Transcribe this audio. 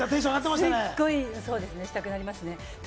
すっごい料理したくなりますね。